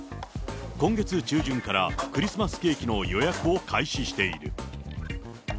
今月中旬から、クリスマスケーキの予約を開始している。